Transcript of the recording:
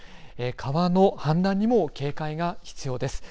川の氾濫にも警戒が必要です。